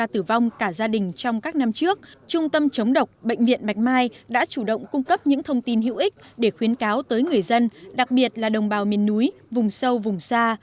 trong các năm trước trung tâm chống độc bệnh viện bạch mai đã chủ động cung cấp những thông tin hữu ích để khuyến cáo tới người dân đặc biệt là đồng bào miền núi vùng sâu vùng xa